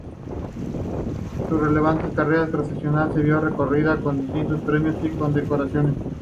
Su relevante carrera profesional se vio reconocida con distintos premios y condecoraciones.